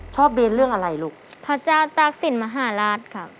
เบนเรื่องอะไรลูกพระเจ้าตากศิลปมหาราชครับ